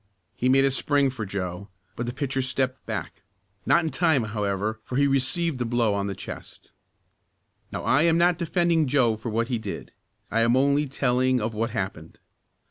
He made a spring for Joe, but the pitcher stepped back. Not in time, however, for he received a blow on the chest. Now I am not defending Joe for what he did. I am only telling of what happened.